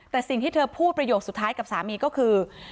แต่สิ่งที่เธอพูดประโยคสุดท้ายกับสามีก็คือ